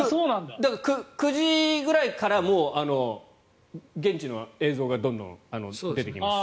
だから、９時ぐらいからもう現地の映像がどんどん出てきます。